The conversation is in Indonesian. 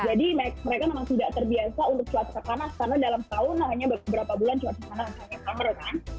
jadi mereka memang tidak terbiasa untuk cuaca panas karena dalam tahun hanya beberapa bulan cuaca panas hanya summer kan